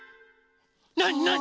なになに？